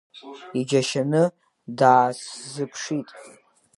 Иџьашьаны даасзыԥшит.